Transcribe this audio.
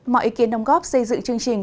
mọi ý kiến đồng góp xây dựng chương trình